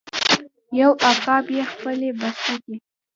یو عقاب یې خپلې بسته کې